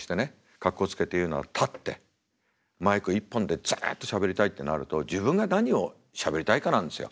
格好つけて言うのは立ってマイク１本でずっとしゃべりたいってなると自分が何をしゃべりたいかなんですよ。